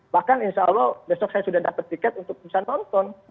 bahkan insya allah besok saya sudah dapat tiket untuk bisa nonton